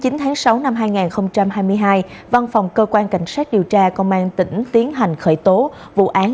ngày hai mươi chín tháng sáu năm hai nghìn hai mươi hai văn phòng cơ quan cảnh sát điều tra công an tỉnh tiến hành khởi tố vụ án